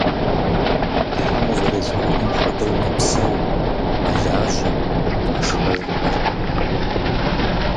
Тхьэм узэрелъэӏунум хуэдэу мэпсэу, мэлажьэ, мэшхэжхэр.